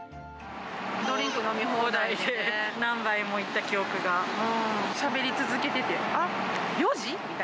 ドリンク飲み放題で、何杯もしゃべり続けてて、あっ？